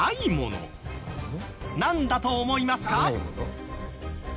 なんだと思いますか？